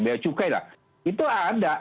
biaya cukai lah itu ada